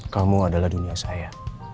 kamu adalah dunia saya